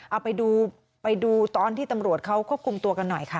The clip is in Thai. เอาไปดูไปดูตอนที่ตำรวจเขาควบคุมตัวกันหน่อยค่ะ